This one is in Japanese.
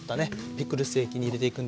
ピクルス液に入れていくんですが。